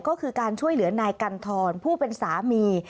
ก็คือการช่วยเหลือนายกันทรผู้เป็นสามี